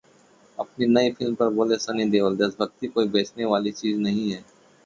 अपनी नई फिल्म पर बोले सनी देओल, देशभक्ति कोई बेचने वाली चीज नहीं है